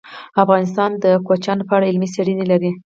افغانستان د کوچیان په اړه علمي څېړنې لري.